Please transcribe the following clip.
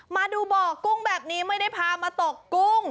มาดูบ่อกุ้งแบบนี้ไม่ได้พามาตกกุ้ง